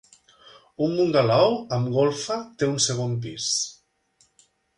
Un bungalou amb golfa té un segon pis.